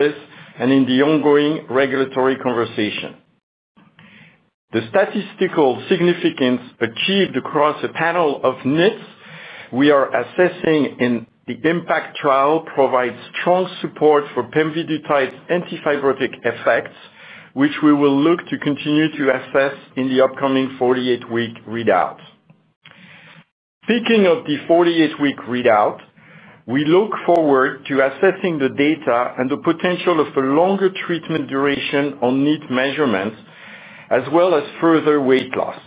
In the ongoing regulatory conversation, the statistical significance achieved across a panel of NITs we are assessing in the IMPACT trial provides strong support for pemvidutide anti-fibrotic effects, which we will look to continue to assess in the upcoming 48-week readout. Speaking of the 48-week readout, we look forward to assessing the data and the potential of a longer treatment duration on NIT measurements, as well as further weight loss.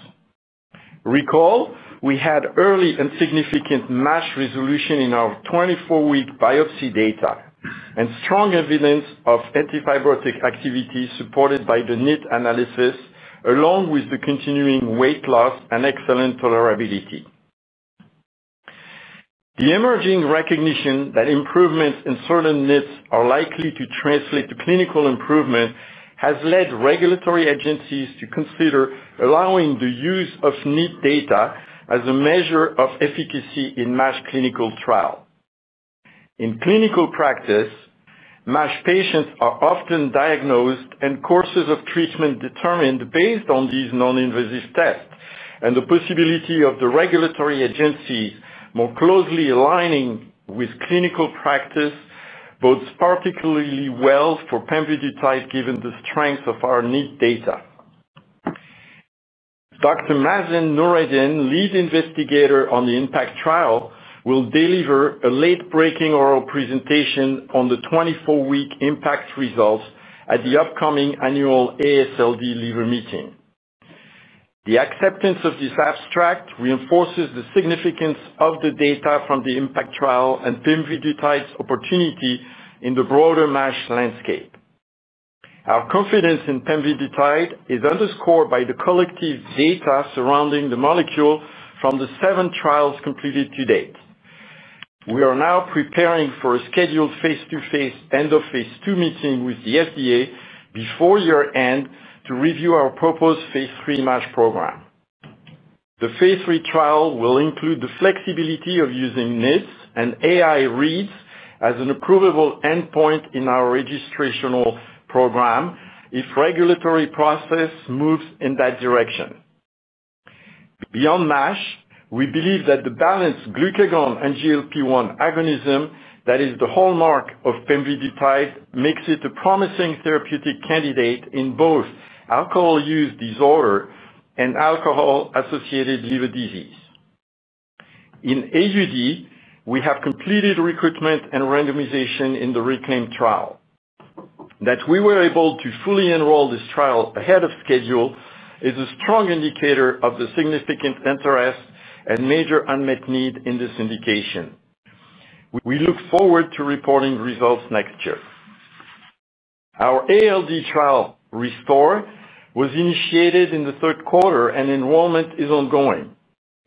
Recall, we had early and significant MASH resolution in our 24-week biopsy data, and strong evidence of anti-fibrotic activity supported by the NIT analysis, along with the continuing weight loss and excellent tolerability. The emerging recognition that improvements in certain NITs are likely to translate to clinical improvement has led regulatory agencies to consider allowing the use of NIT data as a measure of efficacy in MASH clinical trials. In clinical practice, MASH patients are often diagnosed and courses of treatment determined based on these non-invasive tests, and the possibility of the regulatory agencies more closely aligning with clinical practice bodes particularly well for pemvidutide given the strength of our NIT data. Dr. Mazen Noureddin, lead investigator on the IMPACT trial, will deliver a late-breaking oral presentation on the 24-week IMPACT results at the upcoming annual ASLD Liver Meeting. The acceptance of this abstract reinforces the significance of the data from the IMPACT trial and pemvidutide's opportunity in the broader MASH landscape. Our confidence in pemvidutide is underscored by the collective data surrounding the molecule from the seven trials completed to date. We are now preparing for a scheduled face-to-face end-of-phase two meeting with the FDA before year-end to review our proposed phase three MASH program. The phase three trial will include the flexibility of using NITs and AI reads as an approvable endpoint in our registrational program if regulatory process moves in that direction. Beyond MASH, we believe that the balanced glucagon and GLP-1 agonism that is the hallmark of pemvidutide makes it a promising therapeutic candidate in both alcohol use disorder and alcohol-associated liver disease. In AUD, we have completed recruitment and randomization in the RECLAIM trial. That we were able to fully enroll this trial ahead of schedule is a strong indicator of the significant interest and major unmet need in this indication. We look forward to reporting results next year. Our ALD trial, RESTOR, was initiated in the third quarter, and enrollment is ongoing.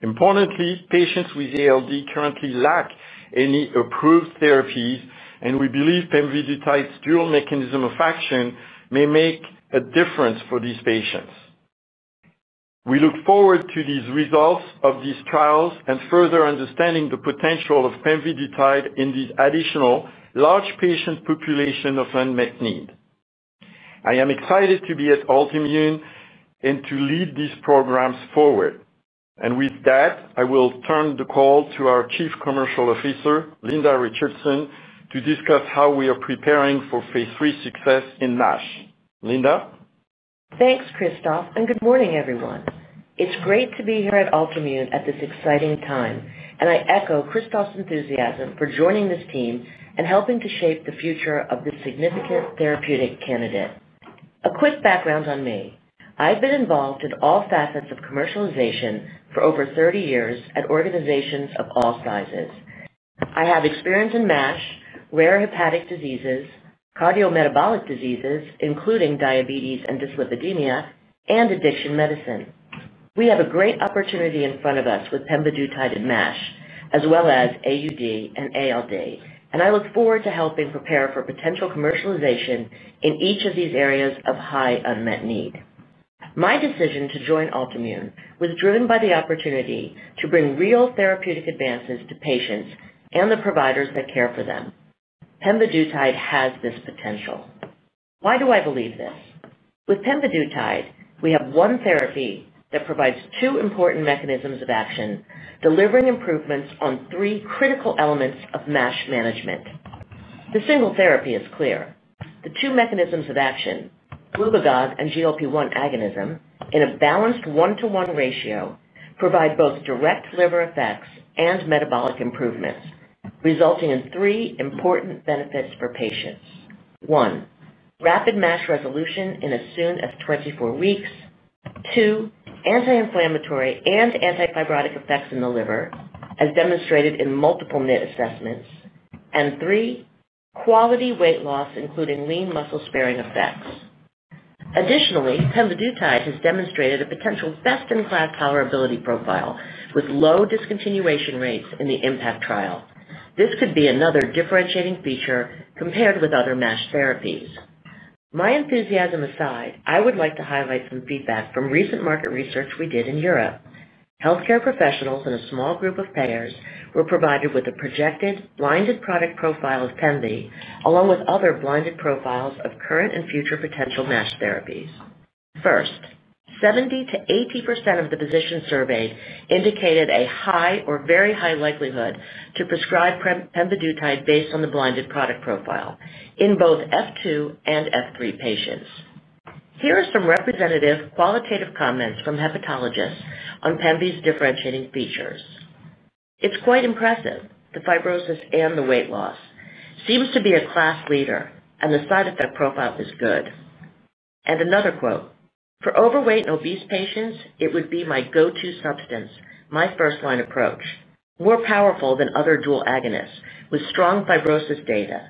Importantly, patients with ALD currently lack any approved therapies, and we believe pemvidutide's dual mechanism of action may make a difference for these patients. We look forward to these results of these trials and further understanding the potential of Pemvidutide in the additional large patient population of unmet need. I am excited to be at Altimmune and to lead these programs forward. With that, I will turn the call to our Chief Commercial Officer, Linda Richardson, to discuss how we are preparing for phase three success in MASH. Linda. Thanks, Christophe, and good morning, everyone. It's great to be here at Altimmune at this exciting time, and I echo Christophe's enthusiasm for joining this team and helping to shape the future of this significant therapeutic candidate. A quick background on me: I've been involved in all facets of commercialization for over 30 years at organizations of all sizes. I have experience in MASH, rare hepatic diseases, cardiometabolic diseases, including diabetes and dyslipidemia, and addiction medicine. We have a great opportunity in front of us with pemvidutide in MASH, as well as AUD and ALD, and I look forward to helping prepare for potential commercialization in each of these areas of high unmet need. My decision to join Altimmune was driven by the opportunity to bring real therapeutic advances to patients and the providers that care for them. Pemvidutide has this potential. Why do I believe this? With Pemvidutide, we have one therapy that provides two important mechanisms of action, delivering improvements on three critical elements of MASH management. The single therapy is clear. The two mechanisms of action, glucagon and GLP-1 agonism, in a balanced one-to-one ratio, provide both direct liver effects and metabolic improvements, resulting in three important benefits for patients: one, rapid MASH resolution in as soon as 24 weeks; two, anti-inflammatory and anti-fibrotic effects in the liver, as demonstrated in multiple NIT assessments; and three, quality weight loss, including lean muscle sparing effects. Additionally, Pemvidutide has demonstrated a potential best-in-class tolerability profile with low discontinuation rates in the IMPACT trial. This could be another differentiating feature compared with other MASH therapies. My enthusiasm aside, I would like to highlight some feedback from recent market research we did in Europe. Healthcare professionals and a small group of payers were provided with a projected blinded product profile of Pemvidutide, along with other blinded profiles of current and future potential MASH therapies. First, 70%-80% of the physicians surveyed indicated a high or very high likelihood to prescribe Pemvidutide based on the blinded product profile in both F2 and F3 patients. Here are some representative qualitative comments from hepatologists on Pemvidutide's differentiating features. "It's quite impressive. The fibrosis and the weight loss seems to be a class leader, and the side effect profile is good." Another quote, "For overweight and obese patients, it would be my go-to substance, my first-line approach. More powerful than other dual agonists with strong fibrosis data.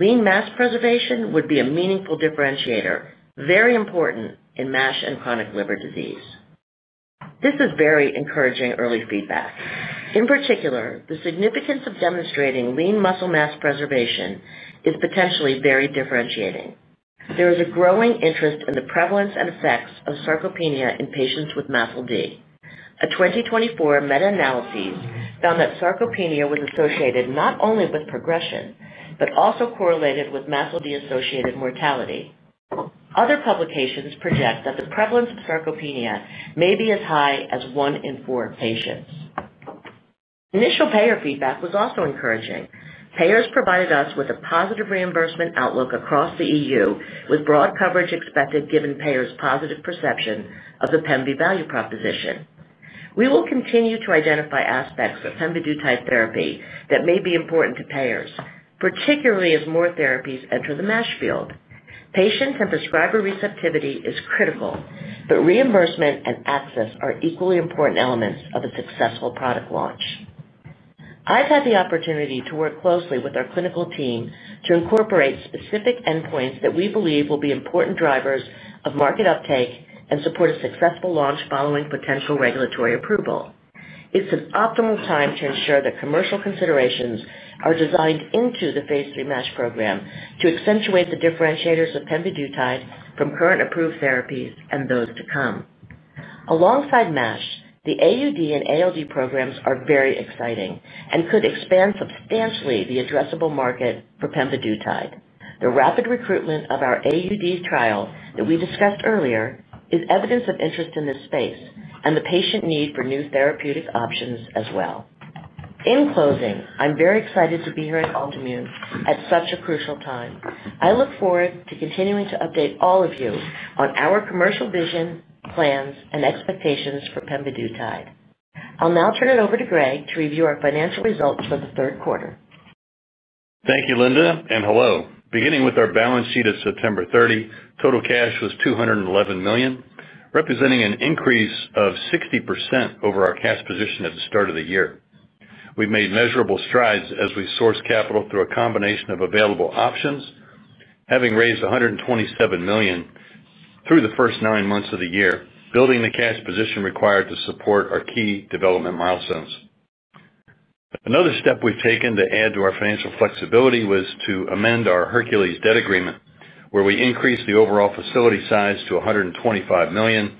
Lean mass preservation would be a meaningful differentiator, very important in MASH and chronic liver disease." This is very encouraging early feedback. In particular, the significance of demonstrating lean muscle mass preservation is potentially very differentiating. There is a growing interest in the prevalence and effects of sarcopenia in patients with MASLD. A 2024 meta-analysis found that sarcopenia was associated not only with progression but also correlated with MASLD-associated mortality. Other publications project that the prevalence of sarcopenia may be as high as one in four patients. Initial payer feedback was also encouraging. Payers provided us with a positive reimbursement outlook across the EU, with broad coverage expected given payers' positive perception of the Pemvidutide value proposition. We will continue to identify aspects of Pemvidutide therapy that may be important to payers, particularly as more therapies enter the MASH field. Patient and prescriber receptivity is critical, but reimbursement and access are equally important elements of a successful product launch. I've had the opportunity to work closely with our clinical team to incorporate specific endpoints that we believe will be important drivers of market uptake and support a successful launch following potential regulatory approval. It's an optimal time to ensure that commercial considerations are designed into the phase three MASH program to accentuate the differentiators of Pemvidutide from current approved therapies and those to come. Alongside MASH, the AUD and ALD programs are very exciting and could expand substantially the addressable market for Pemvidutide. The rapid recruitment of our AUD trial that we discussed earlier is evidence of interest in this space and the patient need for new therapeutic options as well. In closing, I'm very excited to be here at Altimmune at such a crucial time. I look forward to continuing to update all of you on our commercial vision, plans, and expectations for Pemvidutide. I'll now turn it over to Greg to review our financial results for the third quarter. Thank you, Linda. And hello. Beginning with our balance sheet of September 30, total cash was $211 million, representing an increase of 60% over our cash position at the start of the year. We've made measurable strides as we sourced capital through a combination of available options, having raised $127 million. Through the first nine months of the year, building the cash position required to support our key development milestones. Another step we've taken to add to our financial flexibility was to amend our Hercules debt agreement, where we increased the overall facility size to $125 million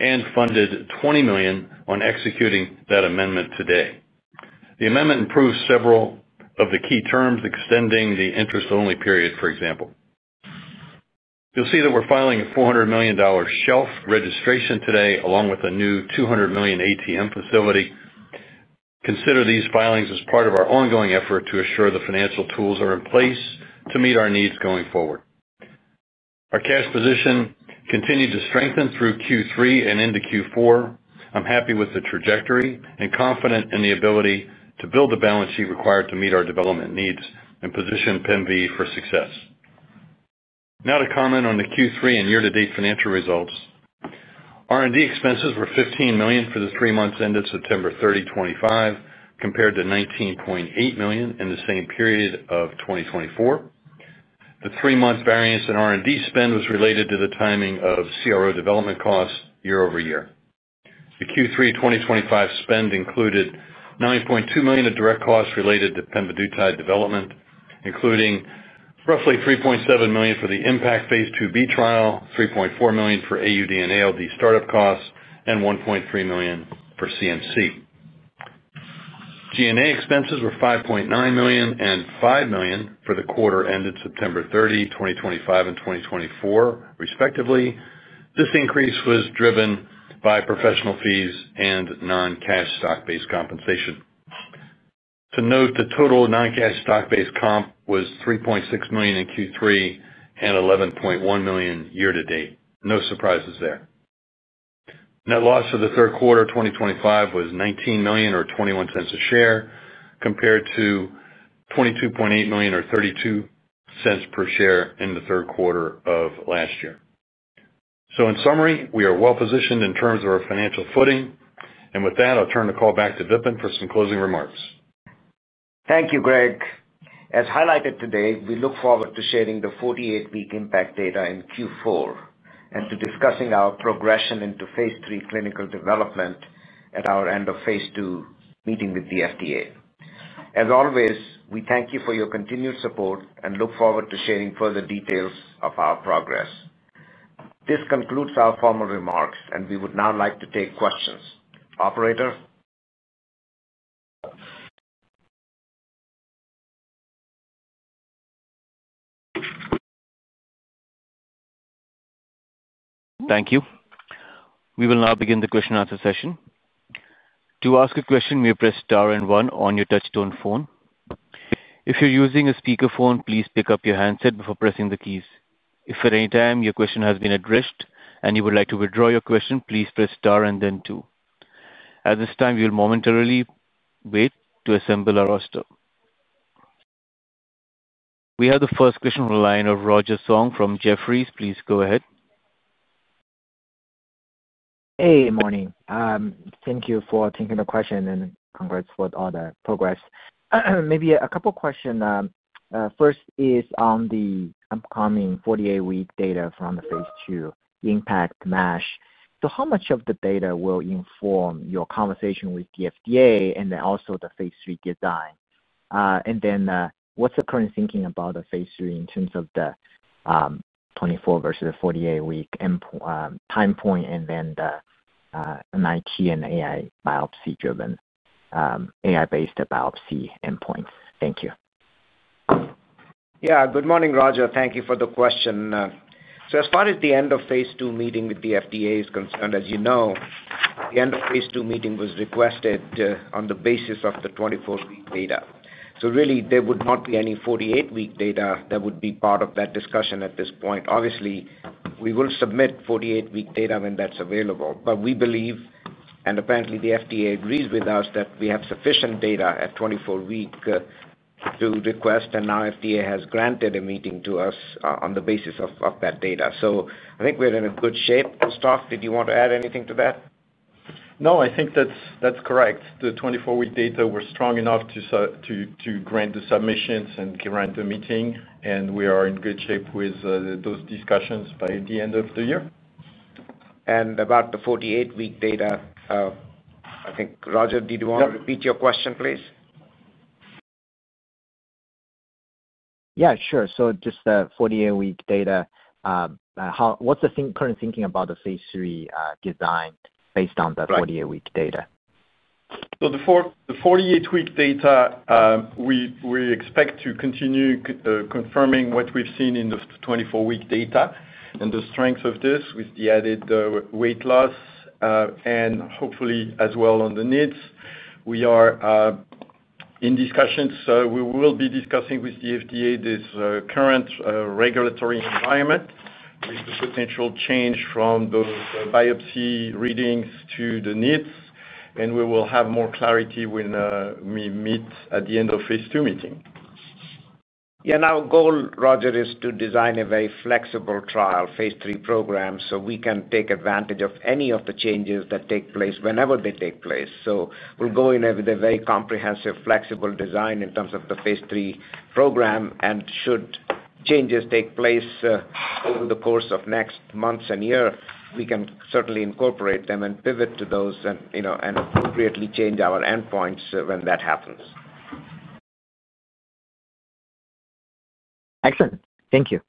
and funded $20 million on executing that amendment today. The amendment improves several of the key terms, extending the interest-only period, for example. You'll see that we're filing a $400 million shelf registration today, along with a new $200 million ATM facility. Consider these filings as part of our ongoing effort to assure the financial tools are in place to meet our needs going forward. Our cash position continued to strengthen through Q3 and into Q4. I'm happy with the trajectory and confident in the ability to build the balance sheet required to meet our development needs and position Pemvidutide for success. Now to comment on the Q3 and year-to-date financial results. R&D expenses were $15 million for the three months ended September 30, 2025, compared to $19.8 million in the same period of 2024. The three-month variance in R&D spend was related to the timing of CRO development costs year-over-year. The Q3 2025 spend included $9.2 million of direct costs related to Pemvidutide development, including roughly $3.7 million for the IMPACT phase 2b trial, $3.4 million for AUD and ALD startup costs, and $1.3 million for CMC. G&A expenses were $5.9 million and $5 million for the quarter ended September 30, 2025, and 2024, respectively. This increase was driven by professional fees and non-cash stock-based compensation. To note, the total non-cash stock-based comp was $3.6 million in Q3 and $11.1 million year-to-date. No surprises there. Net loss for the third quarter of 2025 was $19 million or $0.21 a share compared to $22.8 million or $0.32 per share in the third quarter of last year. In summary, we are well-positioned in terms of our financial footing. With that, I'll turn the call back to Vipin for some closing remarks. Thank you, Greg. As highlighted today, we look forward to sharing the 48-week IMPACT data in Q4 and to discussing our progression into phase three clinical development at our end-of-phase two meeting with the FDA. As always, we thank you for your continued support and look forward to sharing further details of our progress. This concludes our formal remarks, and we would now like to take questions. Operator. Thank you. We will now begin the question-and-answer session. To ask a question, please press star and one on your touchstone phone. If you're using a speakerphone, please pick up your handset before pressing the keys. If at any time your question has been addressed and you would like to withdraw your question, please press star and then two. At this time, we will momentarily wait to assemble our roster. We have the first question on the line of Roger Song from Jefferies. Please go ahead. Hey, morning. Thank you for taking the question and congrats for all the progress. Maybe a couple of questions. First is on the upcoming 48-week data from the phase two, the IMPACT, MASH. How much of the data will inform your conversation with the FDA and then also the phase three design? What's the current thinking about the phase three in terms of the 24 versus the 48-week endpoint time point and the MIT and AI biopsy-driven, AI-based biopsy endpoint? Thank you. Yeah. Good morning, Roger. Thank you for the question. As far as the end-of-phase two meeting with the FDA is concerned, as you know, the end-of-phase two meeting was requested on the basis of the 24-week data. There would not be any 48-week data that would be part of that discussion at this point. Obviously, we will submit 48-week data when that's available. We believe, and apparently the FDA agrees with us, that we have sufficient data at 24-week to request. Now FDA has granted a meeting to us on the basis of that data. I think we're in good shape. Christophe, did you want to add anything to that? No, I think that's correct. The 24-week data were strong enough to grant the submissions and grant the meeting. We are in good shape with those discussions by the end of the year. About the 48-week data, I think Roger, did you want to repeat your question, please? Yeah, sure. Just the 48-week data, what's the current thinking about the phase three design based on the 48-week data? The 48-week data, we expect to continue confirming what we've seen in the 24-week data and the strength of this with the added weight loss. Hopefully as well on the NITs. We are in discussions. We will be discussing with the FDA this current regulatory environment with the potential change from those biopsy readings to the NITs. We will have more clarity when we meet at the end of phase two meeting. Yeah. Now, our goal, Roger, is to design a very flexible trial phase three program so we can take advantage of any of the changes that take place whenever they take place. We will go in with a very comprehensive, flexible design in terms of the phase three program. Should changes take place over the course of next months and year, we can certainly incorporate them and pivot to those and appropriately change our endpoints when that happens. Excellent. Thank you.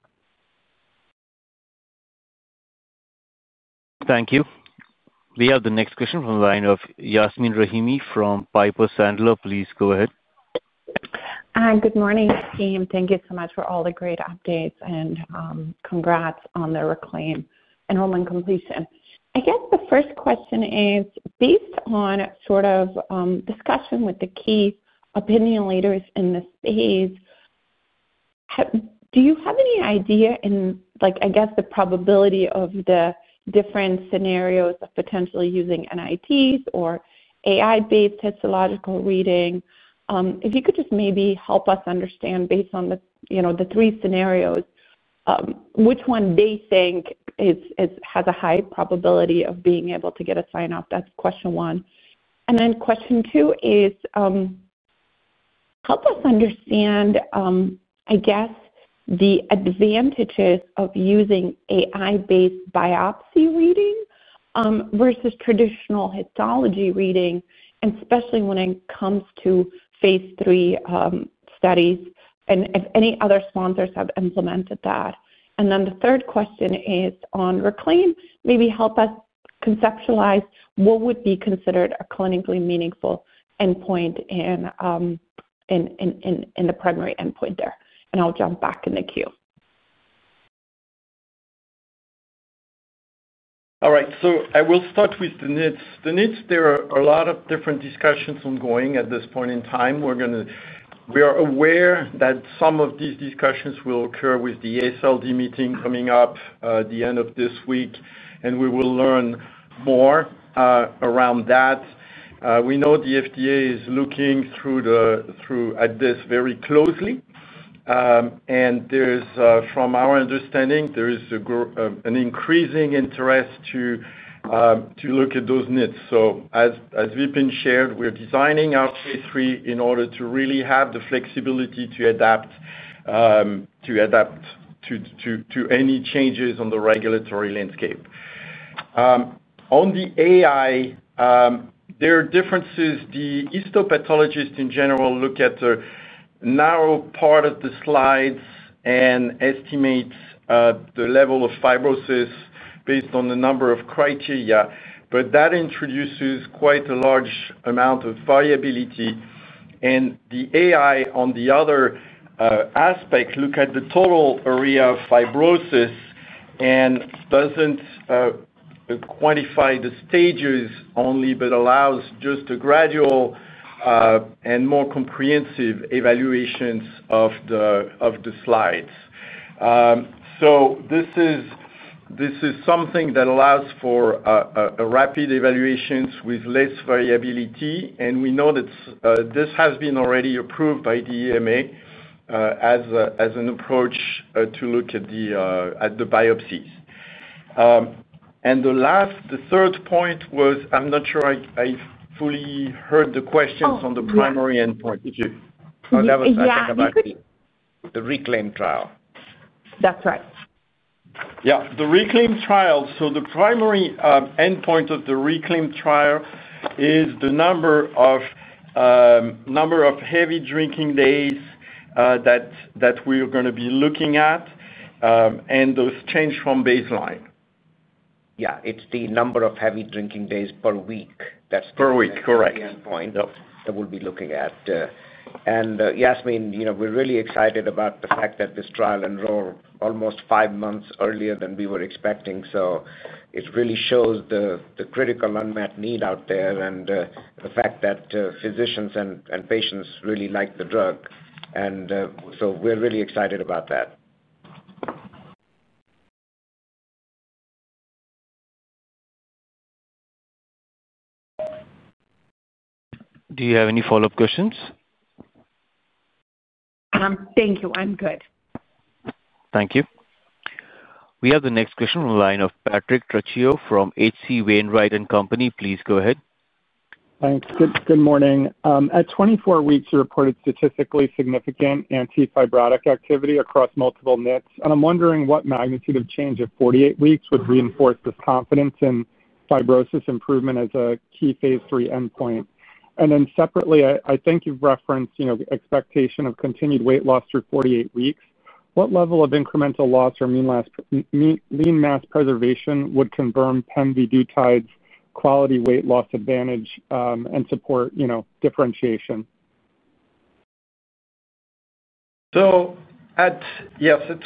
Thank you. We have the next question from the line of Yasmin Rahimi from Piper Sandler. Please go ahead. Hi, good morning, team. Thank you so much for all the great updates and congrats on the RECLAIM enrollment completion. I guess the first question is, based on sort of discussion with the key opinion leaders in this space. Do you have any idea in, I guess, the probability of the different scenarios of potentially using NITs or AI-based histological reading? If you could just maybe help us understand, based on the three scenarios, which one they think has a high probability of being able to get a sign-off. That's question one. Question two is, help us understand, I guess, the advantages of using AI-based biopsy reading versus traditional histology reading, especially when it comes to phase three studies and if any other sponsors have implemented that. The third question is, on RECLAIM, maybe help us conceptualize what would be considered a clinically meaningful endpoint in. The primary endpoint there. I'll jump back in the queue. All right. I will start with the needs. The needs, there are a lot of different discussions ongoing at this point in time. We're aware that some of these discussions will occur with the ASLD Liver Meeting coming up at the end of this week, and we will learn more around that. We know the FDA is looking through this very closely. From our understanding, there is an increasing interest to look at those needs. As Vipin shared, we're designing our phase three in order to really have the flexibility to adapt to any changes on the regulatory landscape. On the AI, there are differences. The histopathologists, in general, look at the narrow part of the slides and estimate the level of fibrosis based on the number of criteria. That introduces quite a large amount of variability. The AI, on the other. Aspect looks at the total area of fibrosis and does not quantify the stages only, but allows just a gradual and more comprehensive evaluation of the slides. This is something that allows for rapid evaluations with less variability. We know that this has been already approved by the EMA as an approach to look at the biopsies. The last, the third point was, I am not sure I fully heard the questions on the primary endpoint. Did you? I will have a second. Yeah. You could. The RECLAIM trial. That's right. Yeah. The RECLAIM trial, so the primary endpoint of the RECLAIM trial is the number of heavy drinking days that we are going to be looking at. And those change from baseline. Yeah. It's the number of heavy drinking days per week. That's the. Per week. Correct. Endpoint that we'll be looking at. Yasmin, we're really excited about the fact that this trial enrolled almost five months earlier than we were expecting. It really shows the critical unmet need out there and the fact that physicians and patients really like the drug. We're really excited about that. Do you have any follow-up questions? Thank you. I'm good. Thank you. We have the next question on the line of Patrick Trocio from HC Wainwright & Co. Please go ahead. Thanks. Good morning. At 24 weeks, you reported statistically significant anti-fibrotic activity across multiple NITs. I am wondering what magnitude of change at 48 weeks would reinforce this confidence in fibrosis improvement as a key phase three endpoint. Separately, I think you have referenced expectation of continued weight loss through 48 weeks. What level of incremental loss or lean mass preservation would confirm Pemvidutide quality weight loss advantage and support differentiation? Yes, at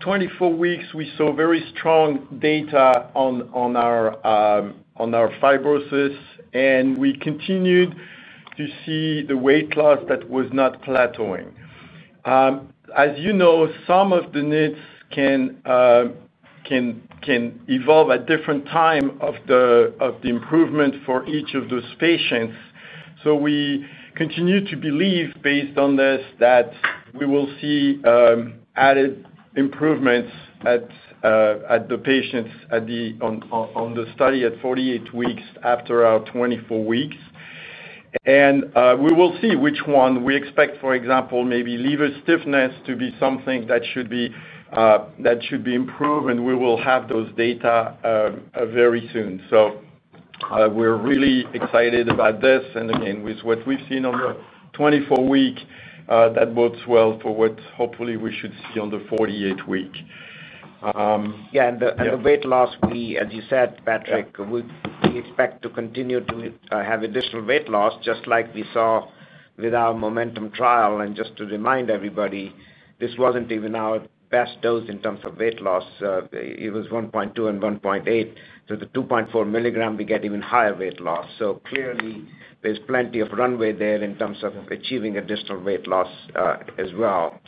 24 weeks, we saw very strong data on our fibrosis. We continued to see the weight loss that was not plateauing. As you know, some of the NITs can evolve at different times of the improvement for each of those patients. We continue to believe, based on this, that we will see added improvements in the patients on the study at 48 weeks after our 24 weeks. We will see which one we expect, for example, maybe liver stiffness to be something that should be improved. We will have those data very soon. We are really excited about this. Again, with what we have seen on the 24-week, that bodes well for what hopefully we should see on the 48-week. Yeah. The weight loss, as you said, Patrick, we expect to continue to have additional weight loss, just like we saw with our MOMENTUM trial. Just to remind everybody, this was not even our best dose in terms of weight loss. It was 1.2 and 1.8. The 2.4 milligram, we get even higher weight loss. Clearly, there is plenty of runway there in terms of achieving additional weight loss as well.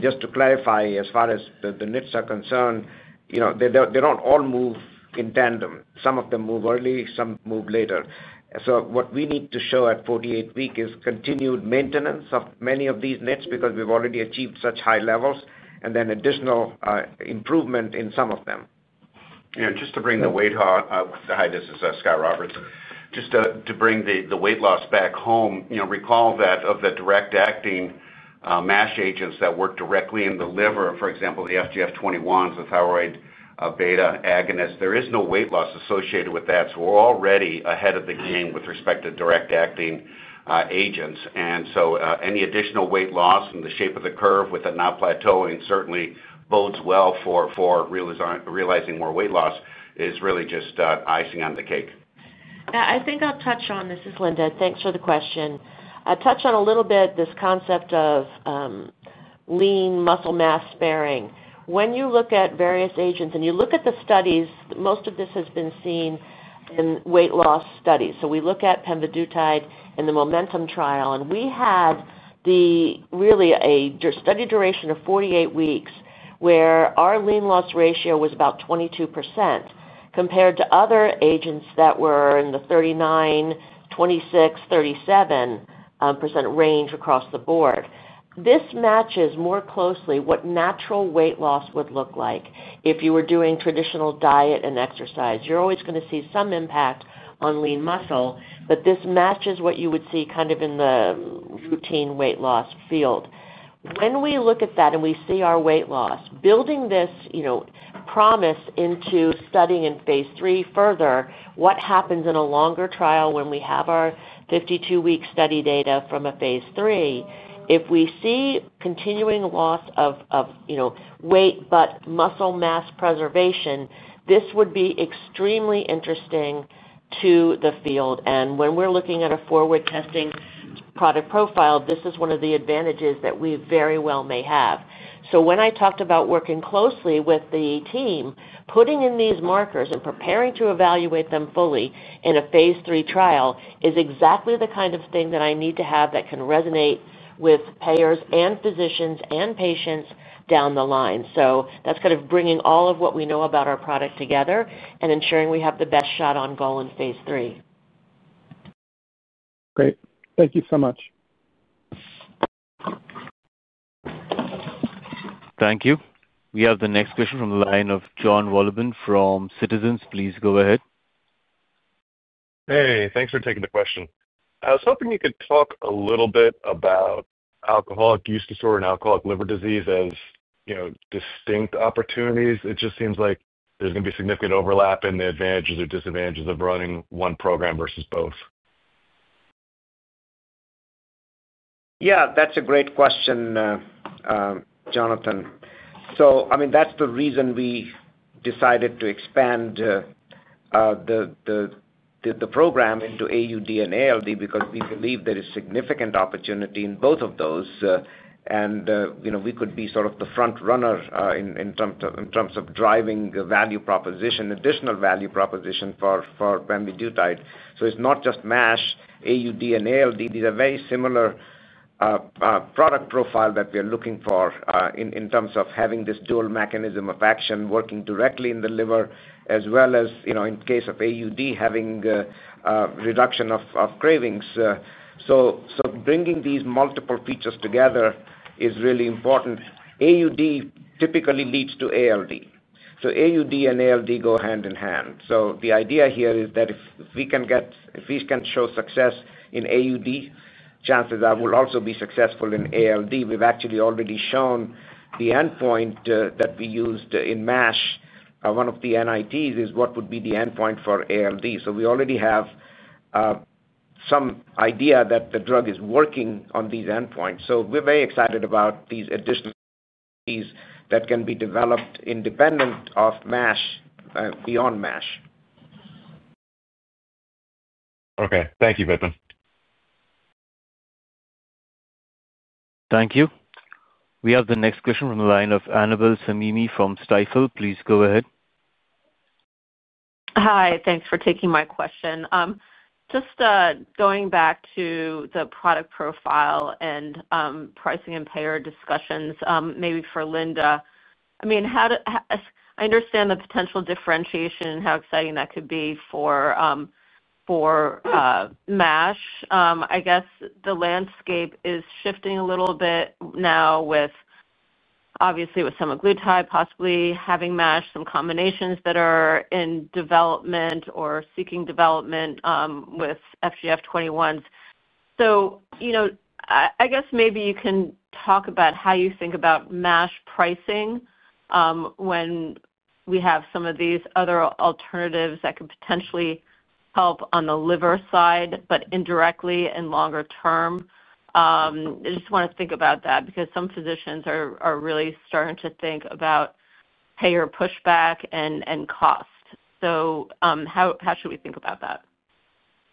Just to clarify, as far as the NITs are concerned, they do not all move in tandem. Some of them move early, some move later. What we need to show at 48-week is continued maintenance of many of these NITs because we have already achieved such high levels and then additional improvement in some of them. Yeah. Just to bring the weight—hi, this is Scott Roberts—just to bring the weight loss back home, recall that of the direct-acting MASH agents that work directly in the liver, for example, the FGF21s, the thyroid beta agonists, there is no weight loss associated with that. We are already ahead of the game with respect to direct-acting agents. Any additional weight loss and the shape of the curve with it not plateauing certainly bodes well for realizing more weight loss is really just icing on the cake. Yeah. I think I'll touch on—this is Linda. Thanks for the question. I'll touch on a little bit this concept of lean muscle mass sparing. When you look at various agents and you look at the studies, most of this has been seen in weight loss studies. You look at pemvidutide and the MOMENTUM trial. We had really a study duration of 48 weeks where our lean loss ratio was about 22% compared to other agents that were in the 39%, 26%, 37% range across the board. This matches more closely what natural weight loss would look like if you were doing traditional diet and exercise. You're always going to see some impact on lean muscle, but this matches what you would see kind of in the routine weight loss field. When we look at that and we see our weight loss, building this. Promise into studying in phase three further, what happens in a longer trial when we have our 52-week study data from a phase three? If we see continuing loss of weight but muscle mass preservation, this would be extremely interesting to the field. When we are looking at a forward-testing product profile, this is one of the advantages that we very well may have. When I talked about working closely with the team, putting in these markers and preparing to evaluate them fully in a phase three trial is exactly the kind of thing that I need to have that can resonate with payers and physicians and patients down the line. That is kind of bringing all of what we know about our product together and ensuring we have the best shot on goal in phase three. Great. Thank you so much. Thank you. We have the next question from the line of John Wolleben from Citizens. Please go ahead. Hey. Thanks for taking the question. I was hoping you could talk a little bit about alcohol use disorder and alcoholic liver disease as distinct opportunities. It just seems like there's going to be significant overlap in the advantages or disadvantages of running one program versus both. Yeah. That's a great question, Jonathan. I mean, that's the reason we decided to expand the program into AUD and ALD because we believe there is significant opportunity in both of those, and we could be sort of the front runner in terms of driving additional value proposition for Pemvidutide. It's not just MASH, AUD, and ALD. These are very similar product profiles that we are looking for in terms of having this dual mechanism of action working directly in the liver, as well as in the case of AUD, having reduction of cravings. Bringing these multiple features together is really important. AUD typically leads to ALD, so AUD and ALD go hand in hand. The idea here is that if we can show success in AUD, chances are we'll also be successful in ALD. We've actually already shown the endpoint that we used in MASH, one of the NITs, is what would be the endpoint for ALD. We already have some idea that the drug is working on these endpoints. We are very excited about these additional, these that can be developed independent of MASH, beyond MASH. Okay. Thank you, Vipin. Thank you. We have the next question from the line of Annabel Samimi from Stifel. Please go ahead. Hi. Thanks for taking my question. Just going back to the product profile and pricing and payer discussions, maybe for Linda. I mean, I understand the potential differentiation and how exciting that could be for MASH. I guess the landscape is shifting a little bit now. Obviously, with semaglutide possibly having MASH, some combinations that are in development or seeking development with FGF21s. I guess maybe you can talk about how you think about MASH pricing when we have some of these other alternatives that could potentially help on the liver side, but indirectly and longer term. I just want to think about that because some physicians are really starting to think about payer pushback and cost. How should we think about that?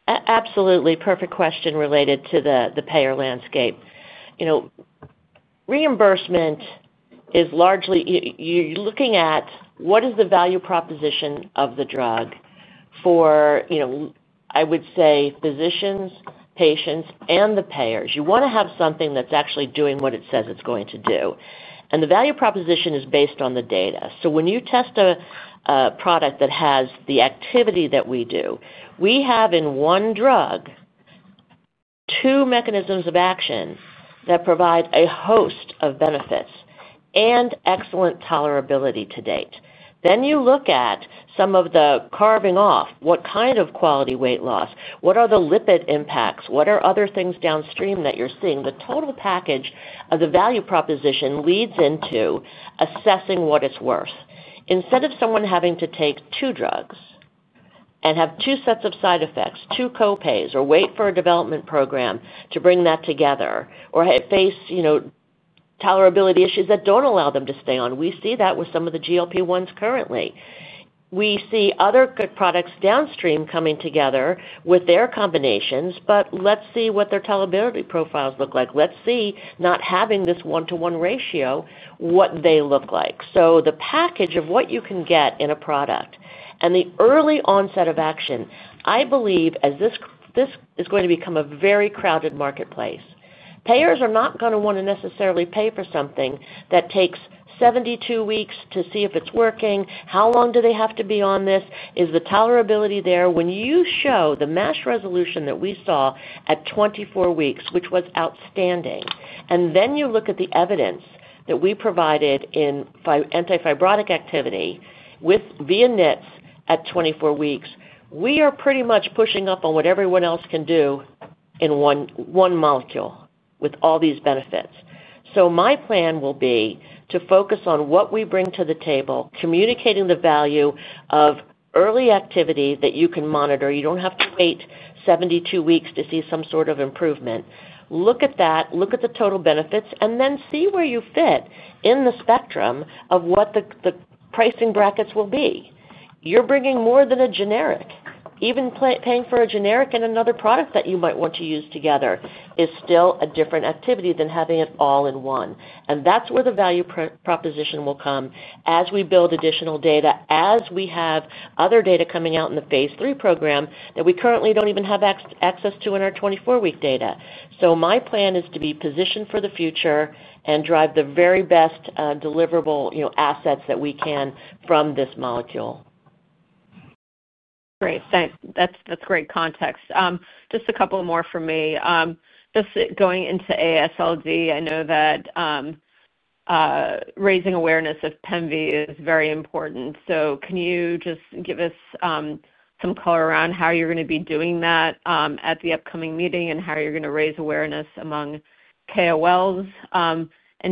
Absolutely. Perfect question related to the payer landscape. Reimbursement is largely you're looking at what is the value proposition of the drug for. I would say, physicians, patients, and the payers. You want to have something that's actually doing what it says it's going to do. The value proposition is based on the data. When you test a product that has the activity that we do, we have in one drug two mechanisms of action that provide a host of benefits and excellent tolerability to date. You look at some of the carving off, what kind of quality weight loss, what are the lipid impacts, what are other things downstream that you're seeing. The total package of the value proposition leads into assessing what it's worth. Instead of someone having to take two drugs. You have two sets of side effects, two copays, or wait for a development program to bring that together, or face tolerability issues that do not allow them to stay on. We see that with some of the GLP-1s currently. We see other good products downstream coming together with their combinations, but let's see what their tolerability profiles look like. Let's see not having this one-to-one ratio what they look like. The package of what you can get in a product and the early onset of action, I believe as this is going to become a very crowded marketplace, payers are not going to want to necessarily pay for something that takes 72 weeks to see if it is working. How long do they have to be on this? Is the tolerability there? When you show the MASH resolution that we saw at 24 weeks, which was outstanding, and then you look at the evidence that we provided in anti-fibrotic activity via NITs at 24 weeks, we are pretty much pushing up on what everyone else can do. In one molecule with all these benefits. My plan will be to focus on what we bring to the table, communicating the value of early activity that you can monitor. You do not have to wait 72 weeks to see some sort of improvement. Look at that. Look at the total benefits, and then see where you fit in the spectrum of what the pricing brackets will be. You are bringing more than a generic. Even paying for a generic and another product that you might want to use together is still a different activity than having it all in one. That is where the value proposition will come as we build additional data, as we have other data coming out in the phase three program that we currently do not even have access to in our 24-week data. My plan is to be positioned for the future and drive the very best deliverable assets that we can from this molecule. Great. Thanks. That's great context. Just a couple more from me. Just going into ASLD, I know that raising awareness of Pemvi is very important. Can you just give us some color around how you're going to be doing that at the upcoming meeting and how you're going to raise awareness among KOLs?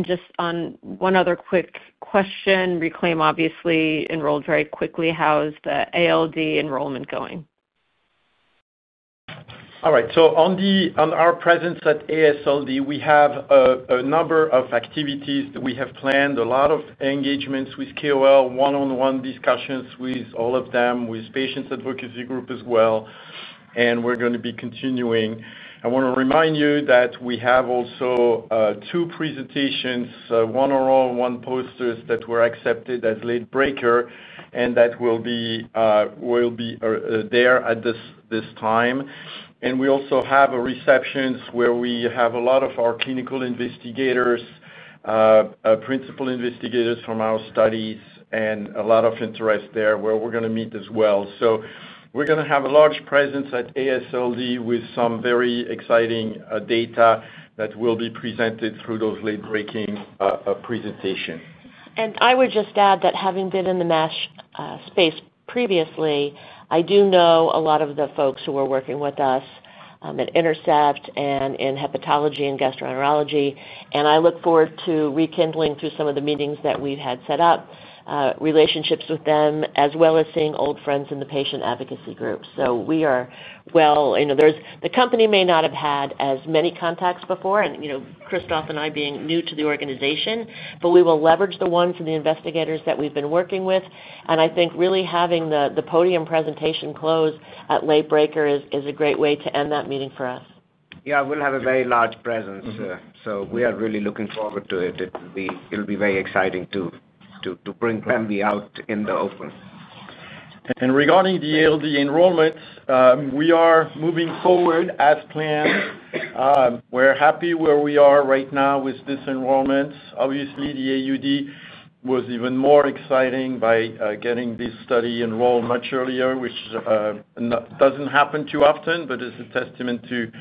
Just one other quick question. RECLAIM obviously enrolled very quickly. How is the ALD enrollment going? All right. On our presence at ASLD, we have a number of activities that we have planned, a lot of engagements with KOL, one-on-one discussions with all of them, with patients' advocacy group as well. We are going to be continuing. I want to remind you that we have also two presentations, one oral, one poster, that were accepted as late breaker and that will be there at this time. We also have a reception where we have a lot of our clinical investigators, principal investigators from our studies, and a lot of interest there where we are going to meet as well. We are going to have a large presence at ASLD with some very exciting data that will be presented through those late-breaking presentations. I would just add that having been in the MASH space previously, I do know a lot of the folks who are working with us at Intercept and in hepatology and gastroenterology. I look forward to rekindling through some of the meetings that we've had set up, relationships with them, as well as seeing old friends in the patient advocacy group. We are well. The company may not have had as many contacts before, and Christophe and I being new to the organization, but we will leverage the ones and the investigators that we've been working with. I think really having the podium presentation close at late breaker is a great way to end that meeting for us. Yeah. We'll have a very large presence. We are really looking forward to it. It'll be very exciting to bring Pemvidutide out in the open. Regarding the ALD enrollment, we are moving forward as planned. We're happy where we are right now with this enrollment. Obviously, the AUD was even more exciting by getting this study enrolled much earlier, which does not happen too often, but is a testament to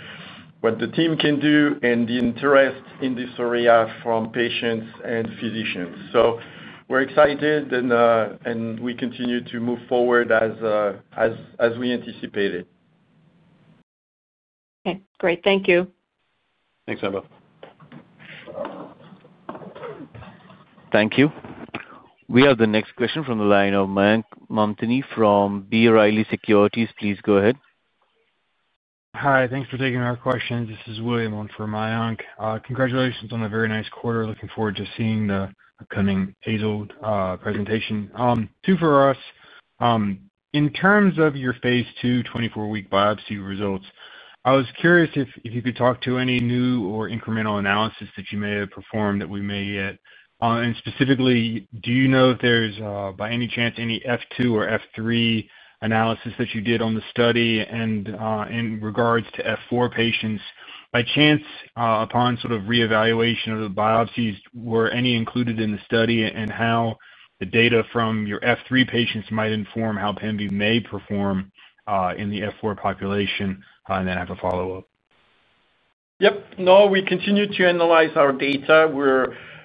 what the team can do and the interest in this area from patients and physicians. We are excited, and we continue to move forward as we anticipated. Okay. Great. Thank you. Thanks, Annabel. Thank you. We have the next question from the line of Matt Montini from B. Riley Securities. Please go ahead. Hi. Thanks for taking our questions. This is William from Mayank. Congratulations on a very nice quarter. Looking forward to seeing the upcoming Hazel presentation. Two for us. In terms of your phase two 24-week biopsy results, I was curious if you could talk to any new or incremental analysis that you may have performed that we may yet. Specifically, do you know if there's, by any chance, any F2 or F3 analysis that you did on the study? In regards to F4 patients, by chance, upon sort of re-evaluation of the biopsies, were any included in the study? How the data from your F3 patients might inform how PEMVI may perform in the F4 population? I have a follow-up. Yep. No, we continue to analyze our data.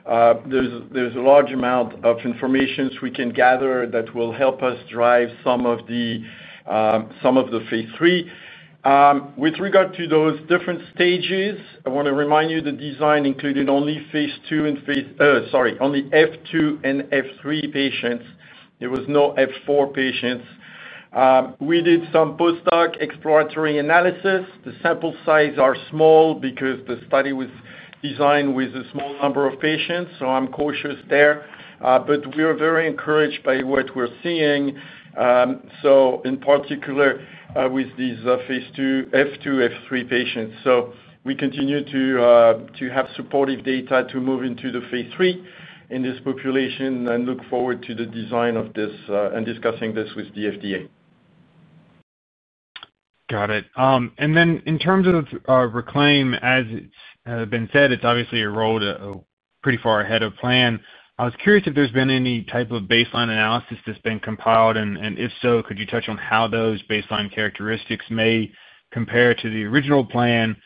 There's a large amount of information we can gather that will help us drive some of the phase three. With regard to those different stages, I want to remind you the design included only phase two and, sorry, only F2 and F3 patients. There were no F4 patients. We did some postdoc exploratory analysis. The sample size is small because the study was designed with a small number of patients. I'm cautious there, but we are very encouraged by what we're seeing. In particular, with these F2, F3 patients. We continue to have supportive data to move into the phase three in this population and look forward to the design of this and discussing this with the FDA. Got it. In terms of Reclaim, as it's been said, it's obviously enrolled pretty far ahead of plan. I was curious if there's been any type of baseline analysis that's been compiled. If so, could you touch on how those baseline characteristics may compare to the original plan?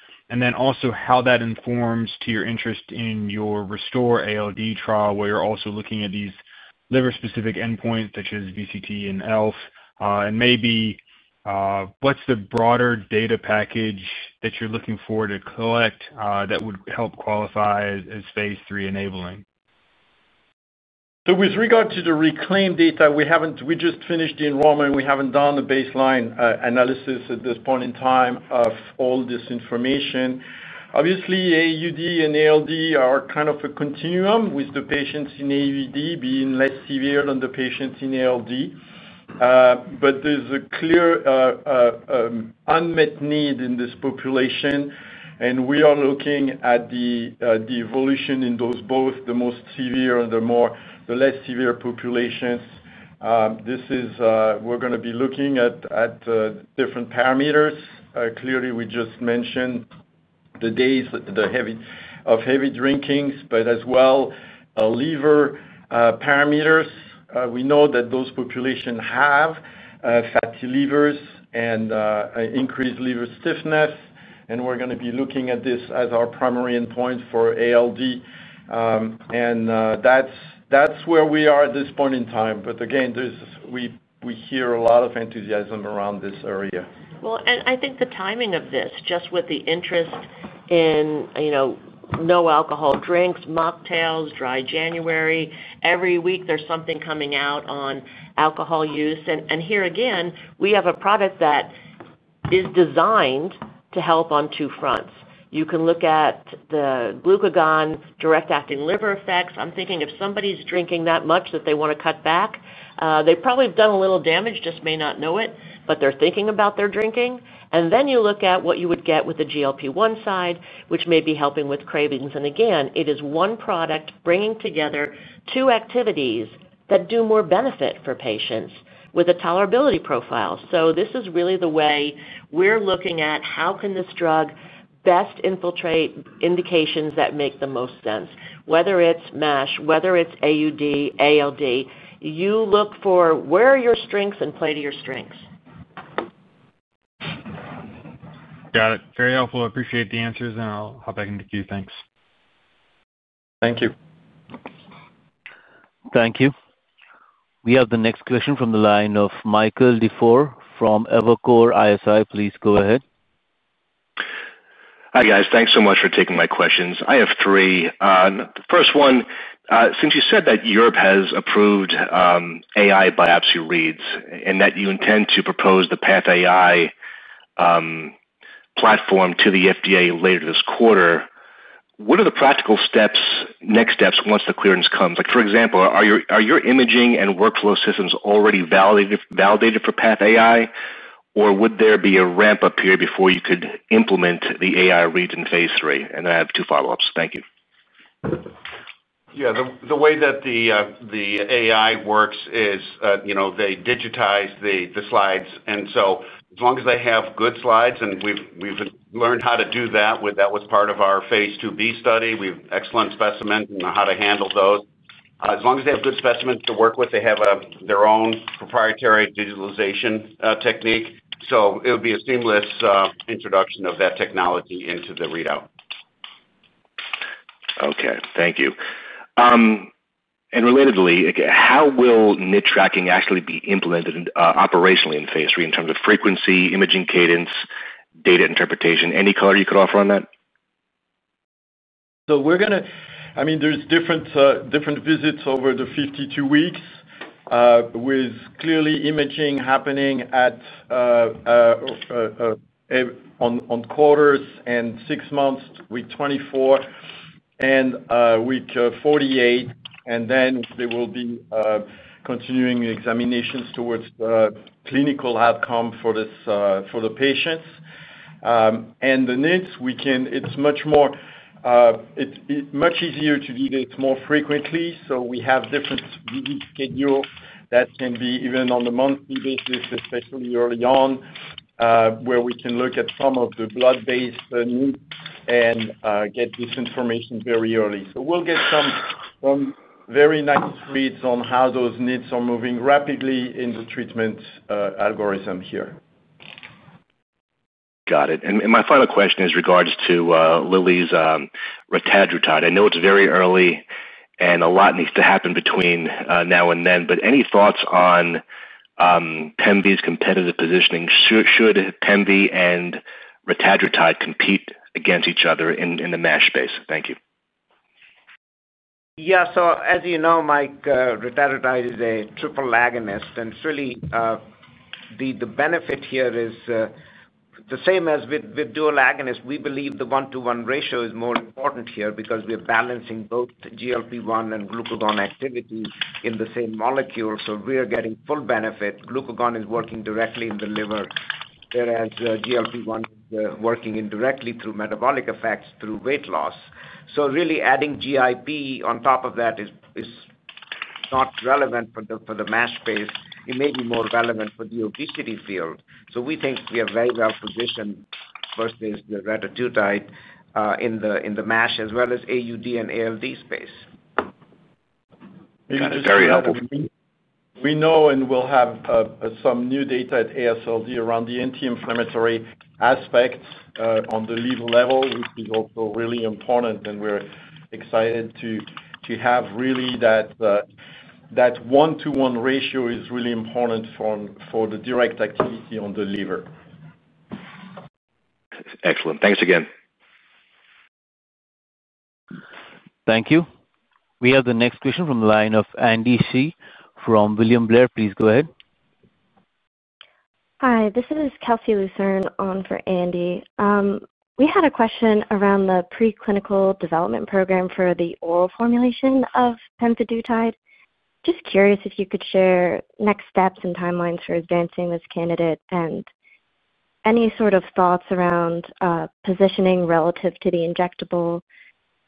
Also, how does that inform your interest in your RESTOR ALD trial, where you're also looking at these liver-specific endpoints such as VCT and ELF? Maybe, what's the broader data package that you're looking for to collect that would help qualify as phase three enabling? With regard to the RECLAIM data, we just finished the enrollment. We haven't done the baseline analysis at this point in time of all this information. Obviously, AUD and ALD are kind of a continuum with the patients in AUD being less severe than the patients in ALD. There is a clear unmet need in this population. We are looking at the evolution in both the most severe and the less severe populations. We're going to be looking at different parameters. Clearly, we just mentioned the days of heavy drinking, but as well liver parameters. We know that those populations have fatty livers and increased liver stiffness. We're going to be looking at this as our primary endpoint for ALD. That's where we are at this point in time. Again, we hear a lot of enthusiasm around this area. I think the timing of this, just with the interest in no alcohol drinks, mocktails, dry January, every week there's something coming out on alcohol use. Here again, we have a product that is designed to help on two fronts. You can look at the glucagon direct-acting liver effects. I'm thinking if somebody's drinking that much that they want to cut back, they probably have done a little damage, just may not know it, but they're thinking about their drinking. Then you look at what you would get with the GLP-1 side, which may be helping with cravings. Again, it is one product bringing together two activities that do more benefit for patients with a tolerability profile. This is really the way we're looking at how can this drug best infiltrate indications that make the most sense, whether it's MASH, whether it's AUD, ALD. You look for where are your strengths and play to your strengths. Got it. Very helpful. Appreciate the answers. I'll hop back into Q. Thanks. Thank you. Thank you. We have the next question from the line of Michael DeFor from Evercore ISI. Please go ahead. Hi, guys. Thanks so much for taking my questions. I have three. The first one, since you said that Europe has approved AI biopsy reads and that you intend to propose the PATH AI platform to the FDA later this quarter, what are the practical next steps once the clearance comes? For example, are your imaging and workflow systems already validated for PATH AI, or would there be a ramp-up period before you could implement the AI reads in phase three? I have two follow-ups. Thank you. Yeah. The way that the AI works is they digitize the slides. As long as they have good slides, and we've learned how to do that. That was part of our phase 2b study. We have excellent specimens and how to handle those. As long as they have good specimens to work with, they have their own proprietary digitalization technique. It would be a seamless introduction of that technology into the readout. Okay. Thank you. Relatedly, how will NIT tracking actually be implemented operationally in phase three in terms of frequency, imaging cadence, data interpretation? Any color you could offer on that? We're going to, I mean, there's different visits over the 52 weeks, with clearly imaging happening on quarters and six months, week 24 and week 48. There will be continuing examinations towards clinical outcome for the patients. The NITs, it's much more, much easier to do this more frequently. We have different schedules that can be even on the monthly basis, especially early on, where we can look at some of the blood-based NITs and get this information very early. We'll get some very nice reads on how those NITs are moving rapidly in the treatment algorithm here. Got it. And my final question is in regards to Lilly's Retatrutide. I know it's very early, and a lot needs to happen between now and then. But any thoughts on PEMVI's competitive positioning? Should PEMVI and Retatrutide compete against each other in the MASH space? Thank you. Yeah. As you know, Mike, Retatrutide is a triple agonist. Really, the benefit here is the same as with dual agonist. We believe the one-to-one ratio is more important here because we're balancing both GLP-1 and glucagon activity in the same molecule. We're getting full benefit. Glucagon is working directly in the liver, whereas GLP-1 is working indirectly through metabolic effects through weight loss. Really, adding GIP on top of that is not relevant for the MASH space. It may be more relevant for the obesity field. We think we are very well positioned versus the Retatrutide in the MASH as well as AUD and ALD space. That's very helpful. We know and we'll have some new data at ASLD Liver Meeting around the anti-inflammatory aspects on the liver level, which is also really important. We're excited to have really that. One-to-one ratio is really important for the direct activity on the liver. Excellent. Thanks again. Thank you. We have the next question from the line of Kelsey Luzerne from William Blair. Please go ahead. Hi. This is Kelsey Luzerne on for Andy. We had a question around the preclinical development program for the oral formulation of Pemvidutide. Just curious if you could share next steps and timelines for advancing this candidate. Any sort of thoughts around positioning relative to the injectable?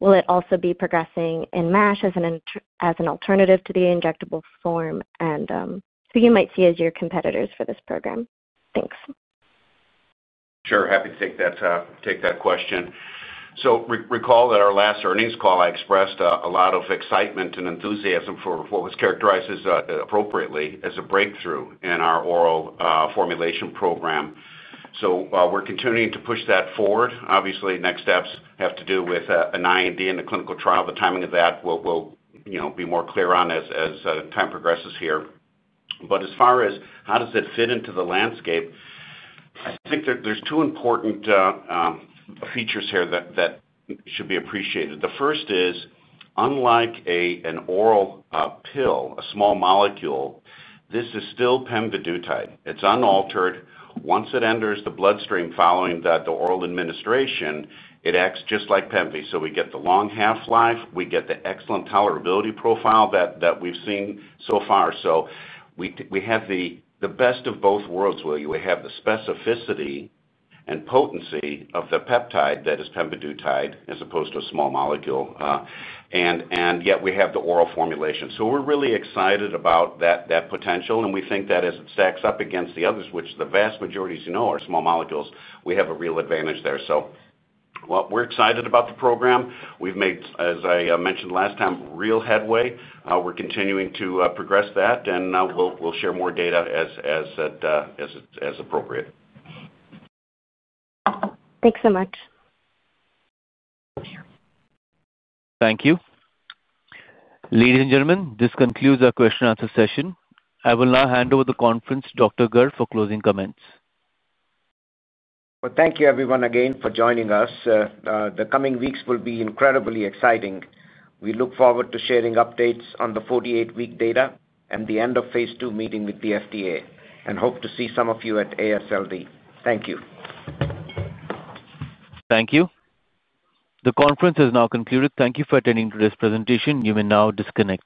Will it also be progressing in MASH as an alternative to the injectable form? And who you might see as your competitors for this program? Thanks. Sure. Happy to take that question. Recall that our last earnings call, I expressed a lot of excitement and enthusiasm for what was characterized appropriately as a breakthrough in our oral formulation program. We are continuing to push that forward. Obviously, next steps have to do with an IND and a clinical trial. The timing of that will be more clear as time progresses here. As far as how it fits into the landscape, I think there are two important features here that should be appreciated. The first is, unlike an oral pill, a small molecule, this is still Pemvidutide. It is unaltered. Once it enters the bloodstream following the oral administration, it acts just like Pemvi. We get the long half-life. We get the excellent tolerability profile that we have seen so far. We have the best of both worlds. We have the specificity and potency of the peptide that is Pemvidutide as opposed to a small molecule. Yet we have the oral formulation. We are really excited about that potential. We think that as it stacks up against the others, which the vast majority, as you know, are small molecules, we have a real advantage there. We are excited about the program. We have made, as I mentioned last time, real headway. We are continuing to progress that. We will share more data as appropriate. Thanks so much. Thank you. Ladies and gentlemen, this concludes our question-and-answer session. I will now hand over the conference to Dr. Garg for closing comments. Thank you, everyone, again, for joining us. The coming weeks will be incredibly exciting. We look forward to sharing updates on the 48-week data and the end of phase two meeting with the FDA and hope to see some of you at ASLD. Thank you. Thank you. The conference is now concluded. Thank you for attending today's presentation. You may now disconnect.